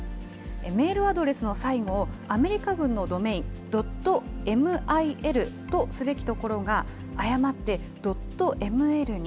メールアドレスの最後を、アメリカ軍のドメイン、ドット・エム・アイ・エルとすべきところが、誤ってドット・エム・エルに。